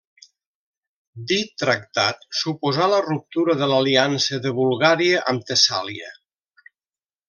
Dit tractat suposà la ruptura de l'aliança de Bulgària amb Tessàlia.